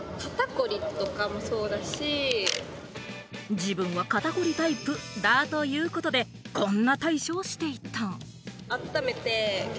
自分は肩凝りタイプだということで、こんな対処をしていた。